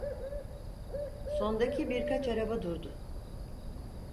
Sondaki birkaç araba durdu.